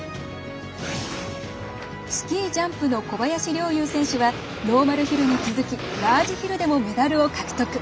スキー・ジャンプの小林陵侑選手はノーマルヒルに続きラージヒルでもメダルを獲得。